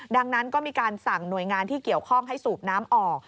ดังนั้นก็มีการสั่งหน่วยงานที่เกี่ยวข้องให้สูบน้ำออก